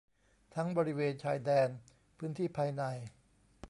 ทั้งบริเวณชายแดน พื้นที่ภายใน